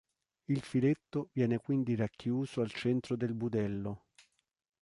Il filetto viene quindi racchiuso al centro del budello.